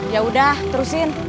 ya udah terusin